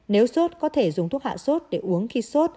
nếu suốt có thể dùng thuốc hạ suốt để uống khi suốt